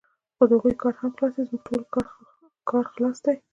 خو د هغوی کار هم خلاص دی، زموږ ټولو کار خلاص دی.